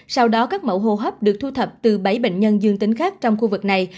sau đó các mẫu hô hấp được thu thập từ bảy bệnh nhân dương tính khác trong khu vực này